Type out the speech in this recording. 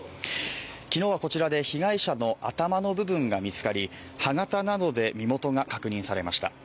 昨日はこちらで被害者の頭の部分が見つかり、歯形などで身元が確認されました。